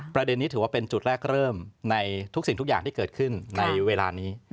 ประเด็นนี้ถือว่าเป็นจุดแรกเริ่มในทุกสิ่งทุกอย่างที่เกิดขึ้นในเวลานี้